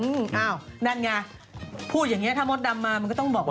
เหิ้านั่นไงพูดอย่างนี้ถ้ามดดำมันไม่ต้องบอกมาก